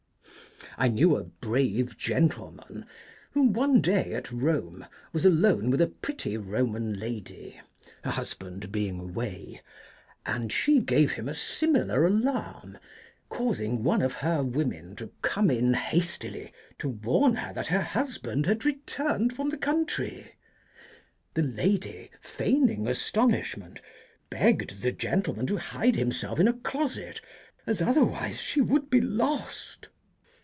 "I knew a brave gentleman who, one day at Rome, was alone with a pretty Roman lady her husband being away and she gave him a similar alarm, causing one of her women to come in hastily to warn her that her husband had returned from the APPENDIX. 223 country. The lady, feigning astonishment, begged the gentleman to hide himself in a closet, as otherwise she would be lost.